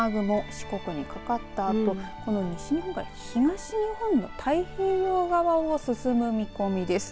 四国にかかったあと西日本から東日本の太平洋側を進む見込みです。